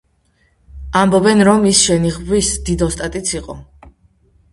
ამბობენ, რომ ის შენიღბვის დიდოსტატიც იყო.